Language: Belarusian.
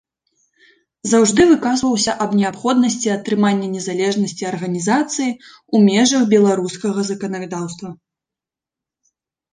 Заўжды выказваўся аб неабходнасці атрымання незалежнасці арганізацыі ў межах беларускага заканадаўства.